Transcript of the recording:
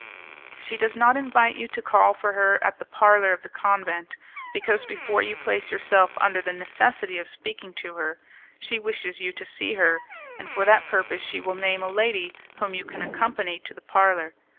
She does not invite you to call for her at the parlour of the convent, because, before you place yourself under the necessity of speaking to her, she wishes you to see her, and for that purpose she will name a lady whom you can accompany to the parlour.